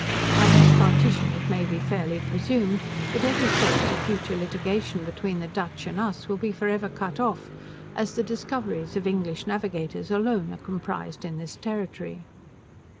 By this partition it may be fairly presumed, that every source of future litigation between the Dutch and us will be for ever cut off, as the discoveries of English navigators alone are comprized in this territory.